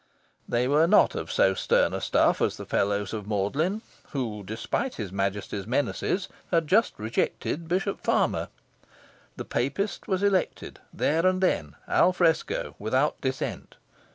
They were not of so stern a stuff as the Fellows of Magdalen, who, despite His Majesty's menaces, had just rejected Bishop Farmer. The Papist was elected, there and then, al fresco, without dissent.